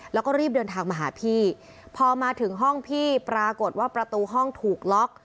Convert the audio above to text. แล้วก็รีบเดินทางมาหาพี่พอมาถึงห้องพี่ปรากฏว่าประตูห้องถูกล็อก